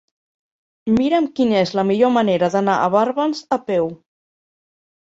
Mira'm quina és la millor manera d'anar a Barbens a peu.